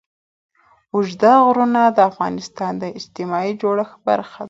اوږده غرونه د افغانستان د اجتماعي جوړښت برخه ده.